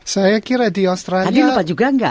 saya kira di australia